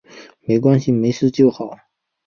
没关系，没事就好